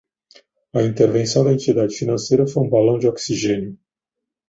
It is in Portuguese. A intervenção da entidade financeira foi um balão de oxigênio.